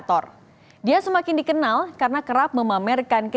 tahun sembilan puluh enam aku masih kerja di bank